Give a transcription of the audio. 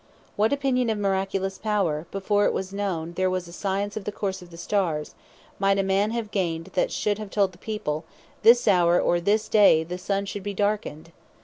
What opinion of miraculous power, before it was known there was a Science of the course of the Stars, might a man have gained, that should have told the people, This hour, or day the Sun should be darkned?